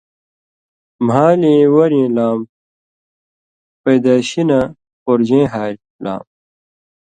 مھالیں وریۡیں لام، پیدائشی نہ پورژَیں ہاریۡ لام